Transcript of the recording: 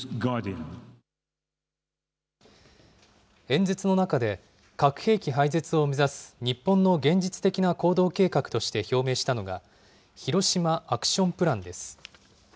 演説の中で、核兵器廃絶を目指す日本の現実的な行動計画として表明したのが、ヒロシマ・アクション・プランです。